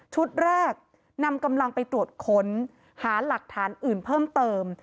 แรกนำกำลังไปตรวจค้นหาหลักฐานอื่นเพิ่มเติม